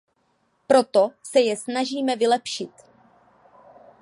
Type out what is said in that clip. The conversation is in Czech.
Proto se je snažíme vylepšit.